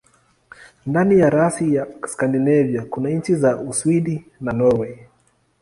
Ndani ya rasi ya Skandinavia kuna nchi za Uswidi na Norwei.